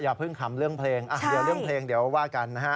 เพิ่งขำเรื่องเพลงเดี๋ยวเรื่องเพลงเดี๋ยวว่ากันนะฮะ